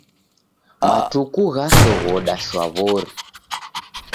Matuku ghasoghoda shwaw'ori.